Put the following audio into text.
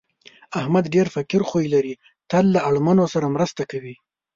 احمد ډېر فقیر خوی لري، تل له اړمنو سره مرسته کوي.